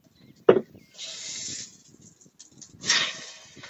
他的研究主要集中在核激素信号和代谢的功能。